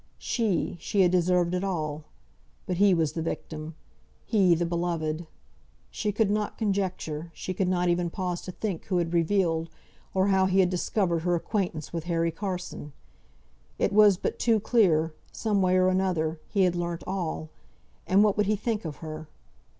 She she had deserved it all; but he was the victim, he, the beloved. She could not conjecture, she could not even pause to think who had revealed, or how he had discovered her acquaintance with Harry Carson. It was but too clear, some way or another, he had learnt all; and what would he think of her?